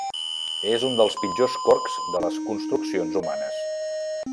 És un dels pitjors corcs de les construccions humanes.